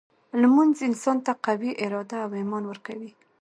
لمونځ انسان ته قوي اراده او ایمان ورکوي.